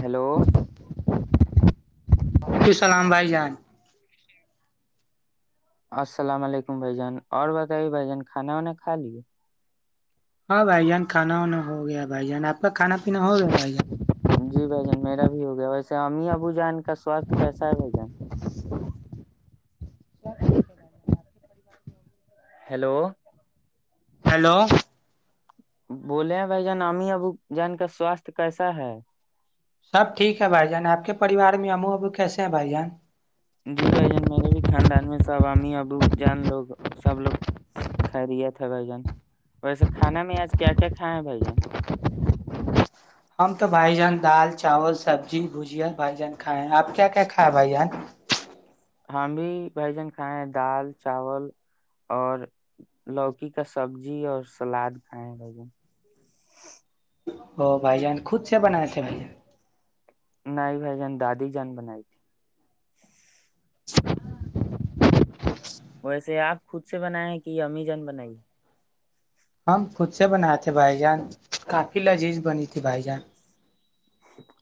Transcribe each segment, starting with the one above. hello کی سلام بھائی جان السلام علیکم بھ جان اور بتائیے بھ جان کھانا وانا کھا لیے ہاں بھائی جان کانا وانا ہو گیا بھائی جان آپ کا کانا پینا ہو گیا بھائی جان جی بھ جان میرا بھی ہو گیا ویسے امی ابو جان کا سوستھ کیسا ہے بھ جن ہیلو ہیلو بولے بھائی جان ااممی ابو جان کا سواستھ کیسا ہے سب ٹھیک ہے بھائی جان آپ کے پریوار میں امو ابو کیسے ہیں بھائی جان جی بھ جان میرے بھی خاندان میں سب امی ابو جان لوگ سب لوگ خریت ہے بھ جن ویسے کھانا میں آج کیا کیا کھائے ہے بھائی جن ہم تو بھائی جان دال چاول سبزی بجیا بھائی جان کھائے ہیں آپ کیا کیا کھ بھائی جان ہم بھی بھجن کھائے ہیں دال چاول اور لوکی کا سبزی اور سلاد کھائے ہیں بھائیجن ہو بھ جان خود سے بنایا تھ بھ ج نہیں بھائی جان دادی جان بنائی تھی [inaudible] ویسے آپ خود سے بنائے کہ امی جان بنائی ہم خود سے بن تھے بھائی جان کافی لذیذ بنی تھی بھائی جان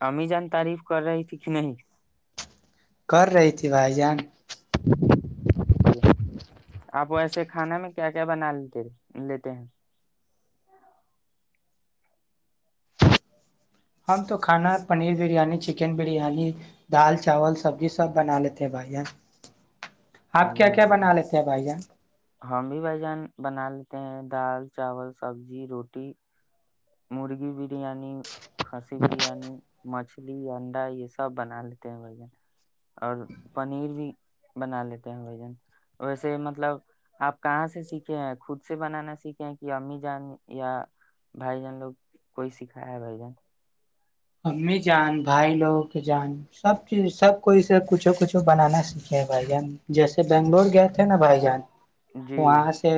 امی جان تعریف کر رہی تھی کہ نہیں کر رہی تھی بھائی جان ج آپ ایسے کھانا میں کیا کیا بنا لیتے لیتے ہیں ہم تو کھانا پنیر بریانی چکن بریانی دال چاول سبزی سب بنا لیتے ہیں بھائی آپ کیا کیا ہم بنا لیتے ہیں بھائییاان ہم بھی بھائی جان بنا لیتے ہیں دال چاول سبزی روٹی مرغی برییاانی کھسی بریانی مچھلی مھلی انڈا یہ سب بنا لیتے ہیں بھ جن اور پنیر بھی بنا لیتے ہیں بھ جن ویسے مطلب آپ کہاں سے سیکھے ہیں خود سے بنانا سیکھے ہیں کہ امی جان یا بھائی جان لوگ کوئی سکھایا ہے بھائی جان امی جان بھائی لوگوں کی جان سب چیز سب کو اسے کچھو کچھو بنانا سیکھے بھائی جان جیسے بنگلور گئے تھے نا بھائی جان جی پواںا آ سے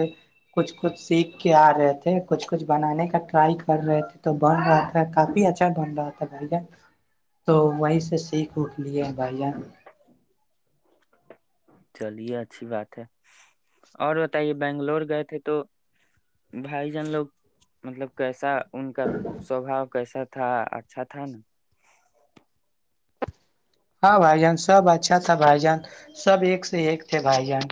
کچھ کچھ سیکھ کے آ رہے تھے کچھ کچھ بنانے کا ٹرائی کر رہے تھے تو بن رہا تھا کافی اچھا بن رہا تھا بھائی ج تو وہیں سے سیکھ اٹ لیے بھائی جان چلیے اچھی بات ہے اور بتائیے بنگلور گئے تھے تو بھائی جان لوگ مطلب کیسا ان کا سوباؤ کیسا تھا اچھا تھا نا ہاں بھائی جان سب اچھا تھا بھائی جان سب ایک سے ایک تھے بھائی جان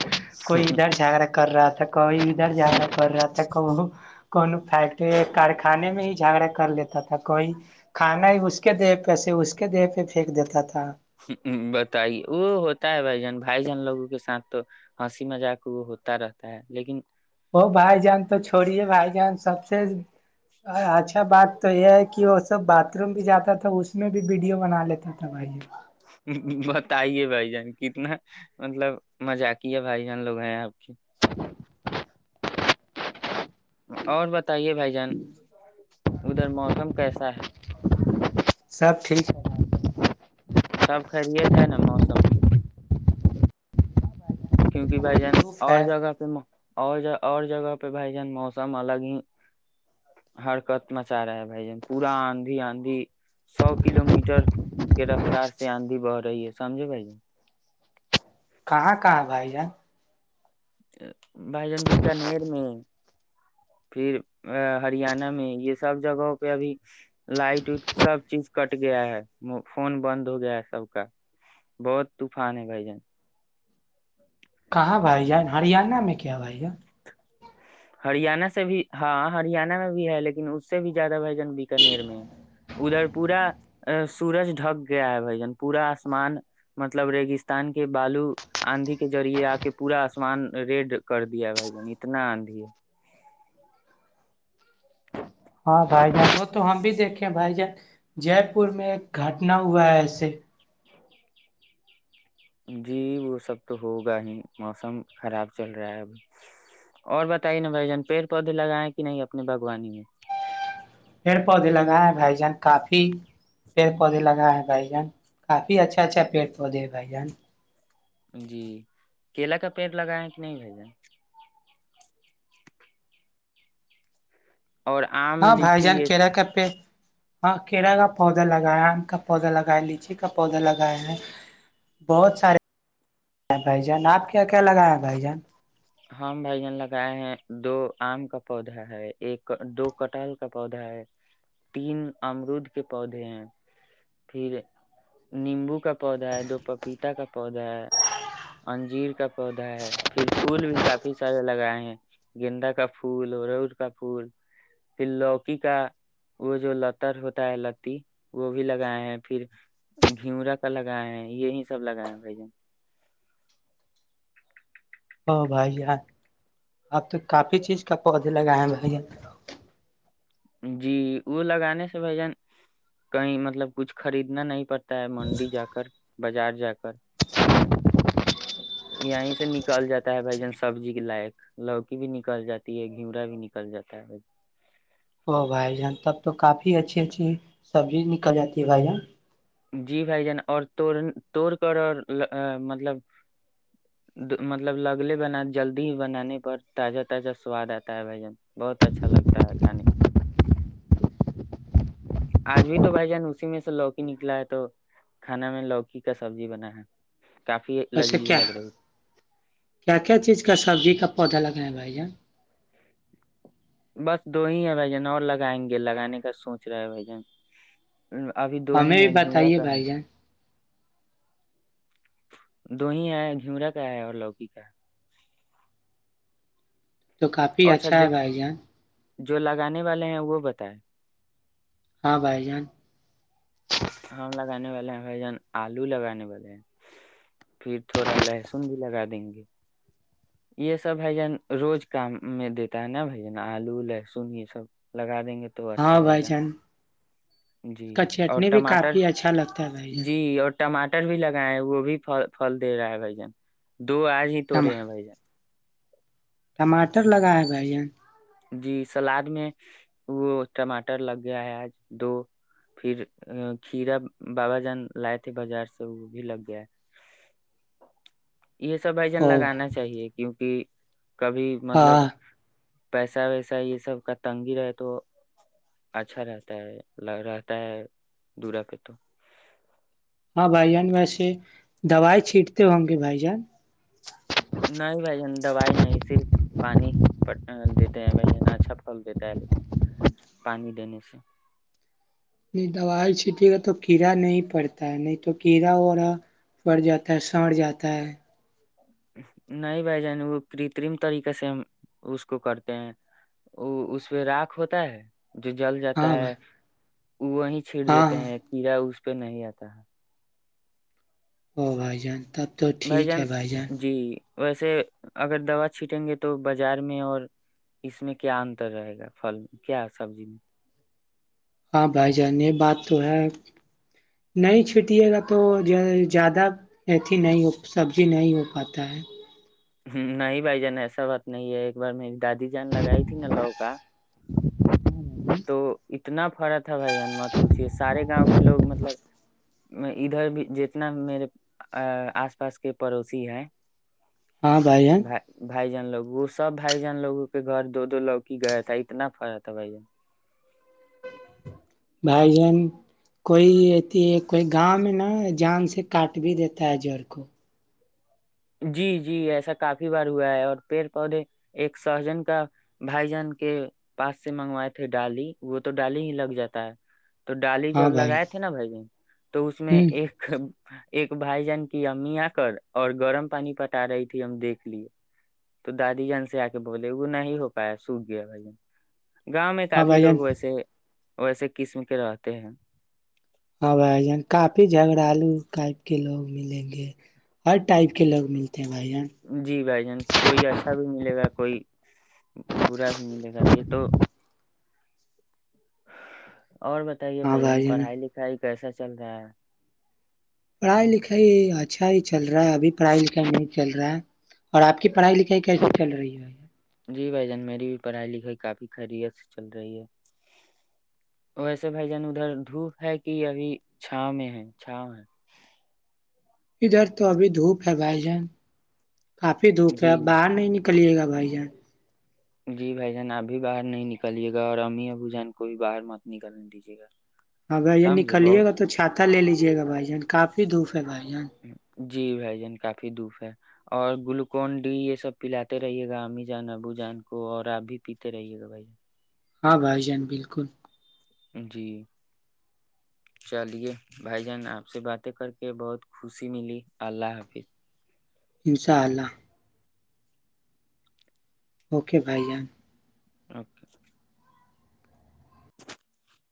کوئی ادھر جھگڑا کر رہا تھا کوئی ادھر جھاگڑا کر رہا تھا کو فیکٹری کارخانے میں ہی جھگڑا کر لیتا تھا کوئی کھانا ہی اس کے دیہ پہسے اس کے دیہ پہ پھینک دیتا تھا بتائیے وہ ہوتا ہے بھائی جان بھائی جان لوگوں کے ساتھ تو ہنسی مجا کے وہ ہوتا رہتا ہے لیکن وہ بھائی جان تو چھوڑی ہے بھائی جان سب اچھا بات تو یہ ہے کہ وہ سب باتھ روم بھی جاتا تھا اس میں بھی ویڈیو بنا لیتا تھا وہائی بتائیے بھائی جان کتنا مطلب مزا کیا ہے بھائی جان لوگ ہیں آپ کی اور ب بتائیے بھائی جان ادھر موسم کیسا ہے [inaudible] سب ٹھیک ہے سب خریت ہے نا موسم کیونکہ بھ جن پروف اور ہے جگہ پ اور ج اور جگہ پہ بھائی جان موسم الگ ہی ہرکت مچا رہا ہے بائی جان پورا آندھی آندھی سو کلو میٹر رفتار سے آندھی بہ رہی ہے سمجھے بائیے کہاں کہاں بھائی جان بھائی جان بکانیر میں پھر ا ہریانہ میں یہ سب جگہوں پہ ابھی لائٹ وٹ سب چیز کٹ گیا ہے فون بند ہو گیا ہے سب کا بہت طوفان ہے بھائی جان کہاں بھائی جان ہریانہ میں کیا بھائی ج ہریانہ سے بھی ہاں ہریانہ میں بھی ہے لیکن اس سے بھی زیادہ بھائی جن بکانر میں ادھر پورا سورج ڈھک گیا ہے بھائی جن پورا آسمان مطلب ریگستان کے بالو آندھی کے ذریعے آ کے پورا آسمان ریڈ کر دیا ہے بھائی جن اتنا آندھی ہے ہاں بھائی جان وہ تو ہم بھی دیکھے بھائی جان جے پور میں ایک گھٹنا ہوا ہے ایسے ج جی وہ سب تو ہوگا ہی موسم خراب چل رہا ہے اب اور بتائیے نا بھائی جان پیڑ پودے لگائے کہ نہیں اپنے باغوانی میں پیڑ پودے لگائےائے بھائی جان کافی لگا ہے [unintelligible] بھائی جان کافی اچھا اچھا پیڑ پودے ہے بھائی جان جی کیلا کا پیڑ لگائےیں کہ نہیں بھی جان اور آم ہاں بھائی جان لیچی یہ کیلا کا پیڑ ہاں کیڑا کا پودا لگایا آم کا پودا لگایا لیچی کا پودا لگایا ہیں بہت سارے بھائی جان آپ کیا کیا لگائےیا ہیں بھائی جان ہماں بھائی جان لگائے ہیں دو آم کا پودا ہے ایک دو کٹل کا پودا ہے تین امرود کے پودے ہیں پھر نیمبو کا پودا ہے دو پپیتا کا پودا ہے انجیر کا پودا ہے پھر پھول بھی کافی سارے لگائے ہیں گینندا کا پھول ارو روز کا پھول پھر لوکی کا وہ جو لتر ہوتا ہے لتی وہ بھی لگائے ہیں پھر گھیورا کا لگائے ہیں یہی سب لگائے ہیں بھائی جان آ بھائی جان آپ تو کافی چیز کا پودے لگائے ہیں بھائی جان جی وہ لگانے سے بھ جن کہیں مطلب کچھ خریدنا نہیں پڑ منڈی جا کر بازار جا کر یہیں سے نکل جاتا ہے بھائی جان سبزی کے لائق لوکی بھی نکل جاتی ہے گھیورا بھی نکل جاتا ہے بھا ہو بھائی جان تب تو کافی ا اچھی اچھی سبزی نکل جاتی ہے بھائی جان جی بھائی جان اور توڑ توڑ کر اور مطلب مطلب لگلے بنا جلدی ہی بنانے پر تازہ تازہ سواد آتا ہے بھ جان بہت اچھا لگتا ہے کھانے آج بھی تو بھائی جان اسی میں سے لوکی نک لائے تو کھانا میں لوکی کا سبزی بنا ہے کافی ویسے لذیذ کیا لگ رہی کیا کیا چیز کا سبزی کا پودا لگانا بھائی [inaudible] بس دو ہی ہے بھ جن اور لگائیں گے لگانے کا سوچ رہا ہے بھائی جان ابھی دو ہمیں ہی بھی ہے گھیورا بتائیے کا بھائی جان دو ہی ہے جمرا کا ہے اور لوکی کا تو کافی اچھا ہے بھائی جان جو لگانے والے ہیں وہ بتائے ہاں بھائی جان ہاں لگانے والے ہیں بھائی جان آلو لگانے والے ہیں پھر تھوڑا لہسن بھی لگا دیں گے یہ سب بھائی جان روز کام میں دیتا ہے نا بھائی جان آلو لہسن یہ سب لگا دیں گے تو ہاں اچھا رہے بھائی گا جان جی اس کا اور چٹنی بھی ٹماٹر کافی اچھا لگ جی اور ٹماٹر بھی لگائے ہیں وہ بھی فل دے رہا ہے بھائی جان دو آج ہی ٹما توڑے ہیں بھائی جان ٹماٹر لگایا ہے جائے جی سلاد میں وہ ٹماٹر لگ گیا ہے آج دو پھر کھیرا بابا جان لائے تھے بازار سے وہ بھی لگ گیا ہے یہ سب بائیجن او لگانا چاہیے کیونکہ کبھی مطلب ہاں پیسہ ویسا یہ سب کا تنگی رہ تو اچھا رہتا ہے لگاتا ہےدورا پہ تو ہاں بھائی جان ویسے دوائی چھیٹتے ہو ہم بھیی بھائی جان نہیں بھائی جن دوائی نہیں صرف پانی دیتے ہیں بھائی جن اچھا پھل دیتا ہے لیکن پانی دینے سے دوائی چھینٹیے گا تو کیڑا نہیں پڑتا ہے نہیں تو کیڑا اورا پڑ جاتا ہے سڑ جاتا ہے نہیں بھائی جان وہ کترم طریقے سے ہم اس کو کرتے ہیں وہ اس پہ راک ہوتا ہے جو جل جاتا ہاں ہے بھائی وہی چھیڑ ہاں دیتے ہاں ہیں کیڑا اس پہ نہیں آتا ہے ا بھائی جان تب تو ٹھیک ہے بھائی جان جی ویسے اگر دوا چھیٹیں گے تو بازار میں اور اس میں کیا انتر رہے گا پھل کیا سبزی میں ہاں بھائی جان یہ بات تو ہے نہیں چھٹیے گا تو زیادہ اتھی نہیں سبزی نہیں ہو پاتا ہے نہیں بھائی جان ایسا بات نہیں ہے ایک بار میری دادی جان لگائی تھی نا لو کا تو اتنا فرق ہے بھائی مت پوچھیے سارے گاؤں کے لوگ مطلب ادھر بھی جتنا میرے آس پاس کے پڑوسی ہے ہاں بھائی جان بائی بھائی جان لوگ سب بھائی جان لووں کے گھر دو دو لوگ کی گئے تھا اتنا فرا تھا بائی جان بائین کوئیتی ہے کوئی گاؤں میں نا جان سے کاٹ بھی دیتا ہے جڑ کو جی جی ایسا کافی بار ہوا ہے اور پیڑ پودے ایک سہجن کا بھائی جان کے پاس سے منگوائے تھے ڈالی وہ تو ڈالی ہی لگ جاتا ہے تو ڈالی ہاں جب بھائی لگائے تھے نا بھائی ج تو اس میں ہ ایک ایک بھائی جان کی امی آ کر اور گرم پانی پٹا رہی تھی ہم دیکھ لیے تو دادی جان سے آ کے بولے وہ نہیں ہو پایا سوکھ گیا بھائی ج گاؤں میں ہاں کافی بھائی جان لوگ ویسے وہ ایسے قسم کے رہتے ہیں ہاں بائی یہاں کافی جھگڑلو ٹائپ کے لوگ ملیں گے ہر ٹائپ کے لوگ ملیں جی بھائی جان کوئی اچھا بھی ملے گا کوئی برا بھی ملے گا یہ تو اور بتائیے بھائی جان پڑھائی لکھائی کیسا چل رہا ہے پڑھائی لکھائی اچھا ہی چل رہا ہے ابھی پڑھائی لکھائی نہیں چل رہا ہے اور آپ کی پڑھائی لکھائی کیس چل رہی ہے جی بھ جان میری بھی پڑھائی لکھائی کافی خیریت سے چل رہی ہے ویسے بھائی جان ادھر دھوپ ہے کہ ابھی چھاؤ میں ہے چھاؤ ہے ادھر تو ابھی دھوپ ہے بھائی جان کافی دھوپ ہے جی باہر نہیں نکل کلیے گا بھائی یہ جی بھائی جان ابھی باہر نہیں نکلیے گا اور امی ا بو جان کو بھی باہر مت نکلنے دیجیے گا ہاںگر یہ سمجھے نکلیے بہت گا تو چھاتا لے لیجیے گا بھائی جان کاپ اد جی بھائی جان کافی پھر دھوپ ہے اور گلوکون ڈی یہ سب پلاتے رہیے گا عاممی جان ابو جان کو اور آپ بھی پیتے رہیے گا بھائی جان ہاں بھائی جان بالکل جی چلیے بھائی جان آپ سے باتیں کر کے بہت خوشی ملی اللہ حافظ انشاءاللہ اوکے بھائی جان اوکا